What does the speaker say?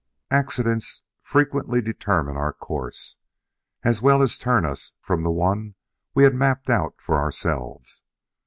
Accidents frequently determine our course, as well as turn us from the one we had mapped out for ourselves.